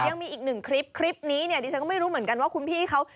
ยังมีอีกหนึ่งคลิปคลิปนี้เนี่ยดิฉันก็ไม่รู้เหมือนกันว่าคุณพี่เขา